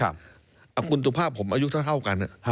อับกุญฑูภาพผมอายุทั่วคร่าวกัน